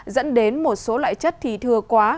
dẫn đến một số loại chất thì thừa quá